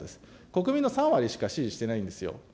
国民の３割しか支持してないんですよ。